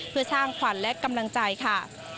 เพื่อสร้างขวัญและกำลังใจค่ะ